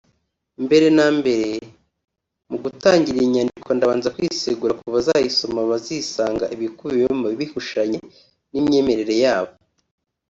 Mbere na mbere mu gutangira iyi nyandiko ndabanza kwisegura ku bazayisoma bazisanga ibikubiyemo bihushanye n’imyemerere yabo